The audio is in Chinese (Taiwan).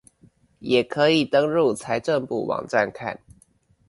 也可以登入財政部網站看